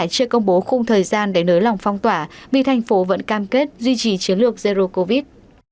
chưa công bố khung thời gian để nới lỏng phong tỏa vì thành phố vẫn cam kết duy trì chiến lược zero covid